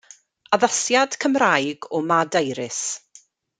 Addasiad Cymraeg o Mad Iris